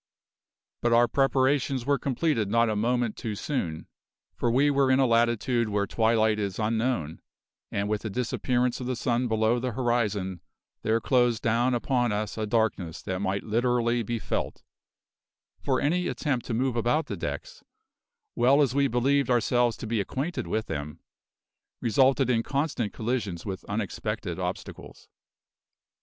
But our preparations were completed not a moment too soon, for we were in a latitude where twilight is unknown, and with the disappearance of the sun below the horizon there closed down upon us a darkness that might literally be felt, for any attempt to move about the decks, well as we believed ourselves to be acquainted with them, resulted in constant collisions with unexpected obstacles.